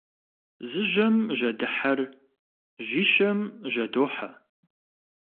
Зы жьэм жьэдыхьэр жьищэм жьэдохьэ.